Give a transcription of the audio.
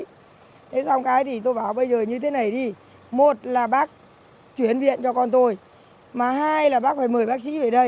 thế xong cái thì tôi bảo bây giờ như thế này thì một là bác chuyển viện cho con tôi mà hai là bác phải mời bác sĩ về đây